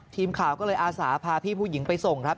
ทีมข่าวก็เลยอาสาพาพี่ผู้หญิงไปส่งครับ